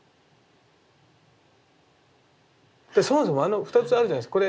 そもそもあの２つあるじゃないですか